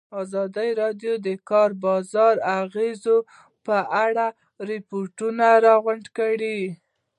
ازادي راډیو د د کار بازار د اغېزو په اړه ریپوټونه راغونډ کړي.